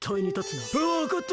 わかったな。